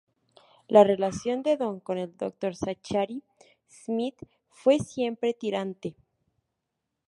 La relación de Don con el Dr. Zachary Smith fue siempre tirante.